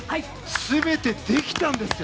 全てできたんです。